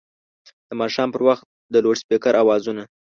د ماښام پر وخت د لوډسپیکر اوازونه